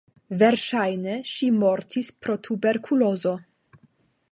Verŝajne ŝi mortis pro tuberkulozo.